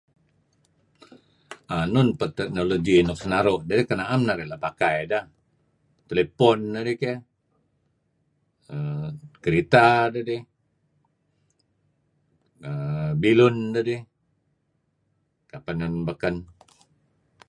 err Enun peh technolody nuk senaru' deh kan na'em narih pakai deh. Telepon narih keh err kereta dedih, err bilun dedih err kapeh nun beken?